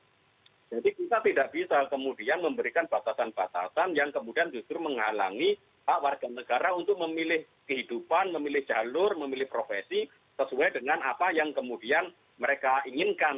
jadi kita tidak bisa kemudian memberikan batasan batasan yang kemudian justru menghalangi warga negara untuk memilih kehidupan memilih jalur memilih profesi sesuai dengan apa yang kemudian mereka inginkan